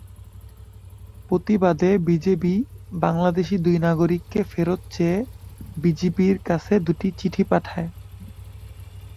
প্রতিবাদে বিজিবি বাংলাদেশি দুই নাগরিককে ফেরত চেয়ে বিজিপির কাছে দুটি চিঠি পাঠায়।